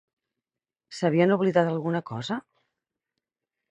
S'havien oblidat alguna cosa?